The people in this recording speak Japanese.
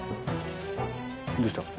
どうした？